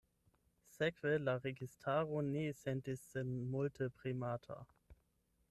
Sekve la registaro ne sentis sin multe premata.